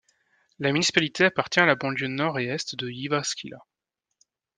La municipalité appartient à la banlieue nord et est de Jyväskylä.